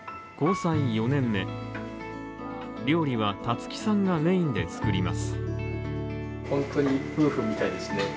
交際４年目料理は、たつきさんがメインで作ります。